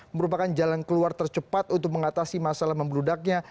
merupakan jalan keluar tercepat untuk mengatasi masalah membeludaknya